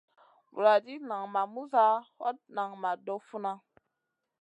Vuladid nan ma muza, hot nan ma doh funa.